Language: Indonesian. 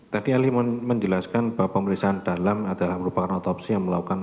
tadi ahli menjelaskan bahwa pemeriksaan dalam adalah merupakan otopsi yang melakukan